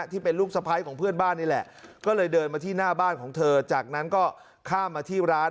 ที่เป็นลูกสะพ้ายของเพื่อนบ้านนี่แหละก็เลยเดินมาที่หน้าบ้านของเธอจากนั้นก็ข้ามมาที่ร้าน